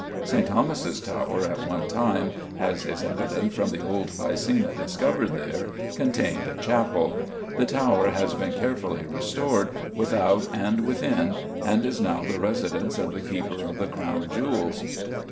St. Thomas's Tower at one time, as is evident from the old piscina discovered there, contained a chapel; the tower has been carefully restored, without and within, and is now the residence of the Keeper of the Crown Jewels.